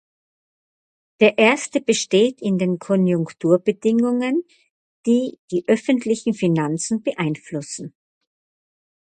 Der Erste besteht in den Konjunkturbedingungen, die die öffentlichen Finanzen beeinflussen.